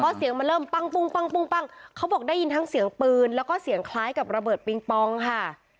เพราะเสียงมันเริ่มปั้งเขาบอกได้ยินทั้งเสียงปืนแล้วก็เสียงคล้ายกับระเบิดปิงปองค่ะ